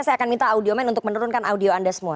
saya akan minta audioman untuk menurunkan audio anda semua